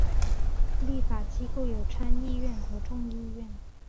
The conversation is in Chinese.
立法机构有参议院和众议院。